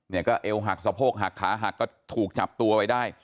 เนี่ยก็เอวหักสะโพกหักขาหักก็ถูกจับตัวไว้ได้